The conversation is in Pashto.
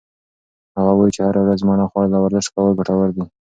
هغه وایي چې هره ورځ مڼه خوړل او ورزش کول ګټور دي.